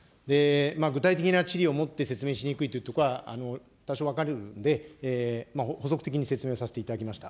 具体的な地理をもって説明しにくいということは、多少分かるんで、補足的に説明をさせていただきました。